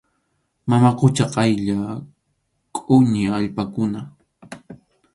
Mama qucha qaylla qʼuñi allpakuna.